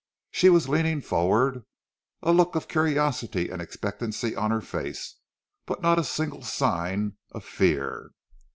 She was leaning forward, a look of curiosity and expectancy on her face, but not a single sign of fear.